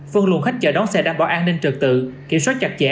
phân luận khách chở đón xe đảm bảo an ninh trực tự kiểm soát chặt chẽ